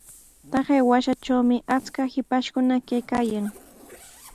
Taqay wasitrawmi achkaq shipashkuna kaykaayan.